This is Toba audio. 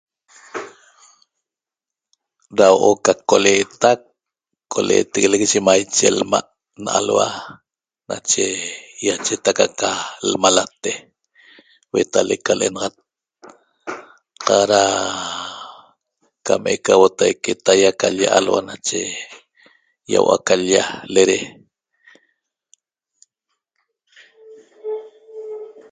Da huo'o ca coleetac coleeteguelec yi maiche lma' nalhua iuen nache ýachetac aca lmalate huetalec ca lenaxat qaq da cam eca huotaique taýa ca l-lla alhua nache ýahuo aca l-lla lede